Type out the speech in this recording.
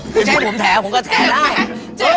อย่างน้อยผมแท้ผมก็แท้ได้